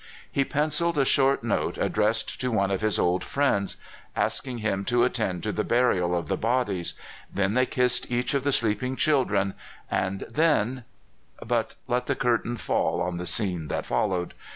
He penciled a short note addressed to one of his old friends, asking him to attend to the burial of the bodies, then they kissed each of the sleeping children, and then — but let the curtain fall on the scene that followed.